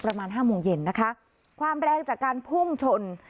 ประมาณห้าโมงเย็นนะคะความแรงจากการพุ่งชน